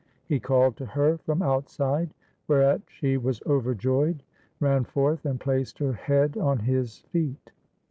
He called to her from outside, whereat she was over joyed, ran forth and placed her head on his feet.